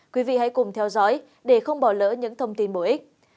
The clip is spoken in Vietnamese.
quý vị hãy cùng theo dõi để không bỏ lỡ những thông tin bổ ích